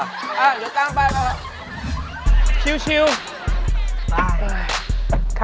อะโยกตังไปครับ